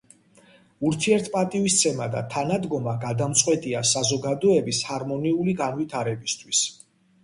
ურთიერთპატივისცემა და თანადგომა გადამწყვეტია საზოგადოების ჰარმონიული განვითარებისთვის.